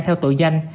theo tội danh